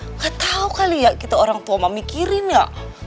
nggak tau kali ya gitu orang tua memikirin ya